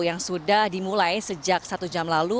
yang sudah dimulai sejak satu jam lalu